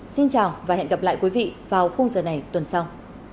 xin chào và hẹn gặp lại quý vị vào khung giờ này tuần sau